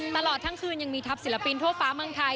ตลอดทั้งคืนยังมีทัพศิลปินทั่วฟ้าเมืองไทย